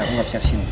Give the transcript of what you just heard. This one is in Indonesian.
aku gak bisa disini